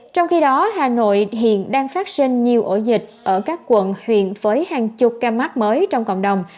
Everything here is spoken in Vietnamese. trong khi đó hà nội hiện đang phát sinh nhiều ổ dịch ở các quận huyện với hàng chục ca mắc mới trong cộng đồng